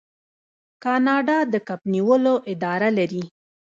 کاناډا د کب نیولو اداره لري.